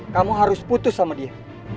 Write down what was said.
kamu harus putus sama dia